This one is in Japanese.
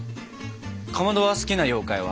かまどは好きな妖怪は？